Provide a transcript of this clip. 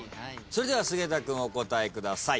それでは菅田君お答えください。